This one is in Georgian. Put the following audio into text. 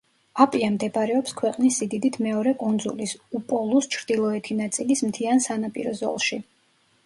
აპია მდებარეობს ქვეყნის სიდიდით მეორე კუნძულის, უპოლუს ჩრდილოეთი ნაწილის მთიან სანაპირო ზოლში.